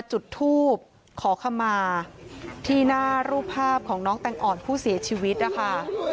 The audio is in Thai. จุดทูบขอขมาที่หน้ารูปภาพของน้องแตงอ่อนผู้เสียชีวิตนะคะ